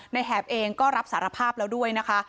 แหบเองก็รับสารภาพแล้วด้วยนะคะ